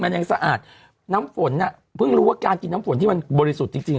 มันยังสะอาดน้ำฝนอ่ะเพิ่งรู้ว่าการกินน้ำฝนที่มันบริสุทธิ์จริงจริง